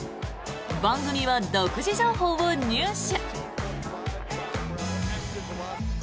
番組は独自情報を入手。